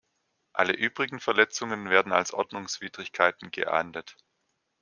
Alle übrigen Verletzungen werden als Ordnungswidrigkeiten geahndet.